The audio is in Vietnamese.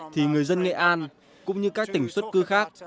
thì người dân nghệ an cũng như các tỉnh xuất cư khác